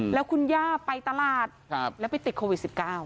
แล้วคุณย่าไปตลาดแล้วไปติดโควิด๑๙